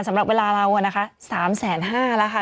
สำหรับเวลาเราอะนะคะ๓๕แสนละค่ะ